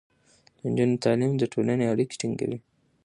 د نجونو تعليم د ټولنې اړيکې ټينګې کوي.